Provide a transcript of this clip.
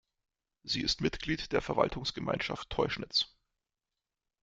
Sie ist Mitglied der Verwaltungsgemeinschaft Teuschnitz.